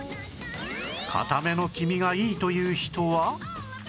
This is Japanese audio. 固めの黄身がいいという人は